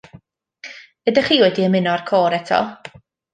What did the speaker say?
Ydych chi wedi ymuno â'r côr eto.